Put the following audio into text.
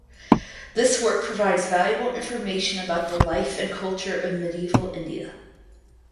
This work provides valuable information about the life and culture of medieval India.